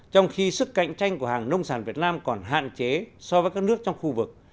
trong khi sức cạnh tranh của hàng nông sản việt nam còn hạn chế so với các nước trong khu vực